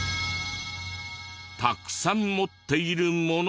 たくさん持っているものが。